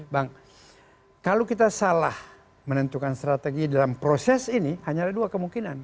bang kalau kita salah menentukan strategi dalam proses ini hanyalah dua kemungkinan